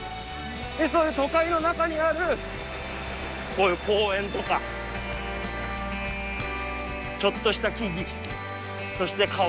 そういう都会の中にあるこういう公園とかちょっとした木々そして川。